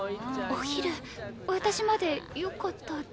お昼私までよかったですか？